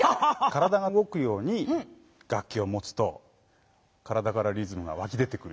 体がうごくように楽器をもつと体からリズムがわき出てくるでしょ。